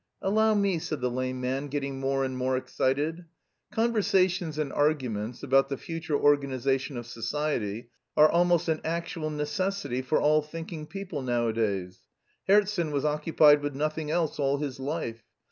"Allow me," said the lame man, getting more and more excited. "Conversations and arguments about the future organisation of society are almost an actual necessity for all thinking people nowadays. Herzen was occupied with nothing else all his life.